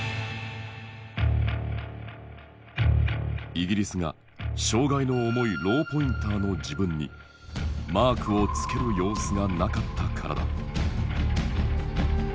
イギリスが障害の重いローポインターの自分にマークをつける様子がなかったからだ。